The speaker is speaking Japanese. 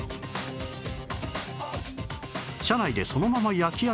車内でそのまま焼き上げたのだ